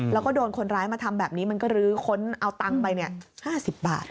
แล้วก็โดนคนร้ายมาทำแบบนี้มันก็ลื้อค้นเอาตังค์ไป๕๐บาท